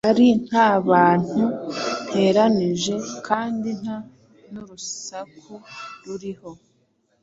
ari nta bantu nteranije, kandi nta n’urusaku ruriho.